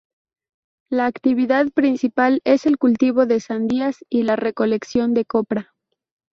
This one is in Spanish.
La actividad principal es el cultivo de sandías y la recolección de copra.